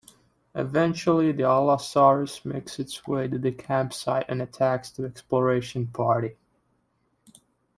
Eventually, the "Allosaurus" makes its way to the campsite and attacks the exploration party.